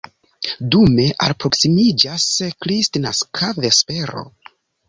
Dume alproksimiĝas kristnaska vespero.